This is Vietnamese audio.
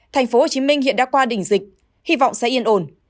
tp hcm hiện đã qua đỉnh dịch hy vọng sẽ yên ổn